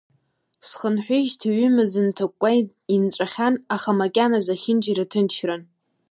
Схынҳәиижьҭеи ҩымыз нҭакәкәа инҵәахьан, аха макьана зехьынџьара ҭынчран.